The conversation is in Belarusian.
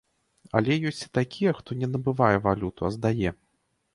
Але ёсць і такія, хто не набывае валюту, а здае.